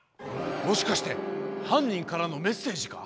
もしかしてはんにんからのメッセージか？